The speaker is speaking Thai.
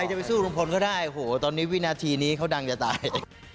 จะไปสู้ลุงพลก็ได้โอ้โหตอนนี้วินาทีนี้เขาดังจะตาย